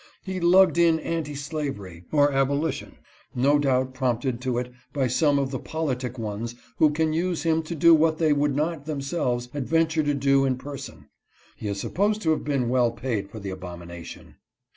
He lugged in anti slavery, or abolition, no doubt prompted to it by some of the politic ones who can use him to do what they would not them selves adventure to do in person. He is supposed to have been well paid for the abomination.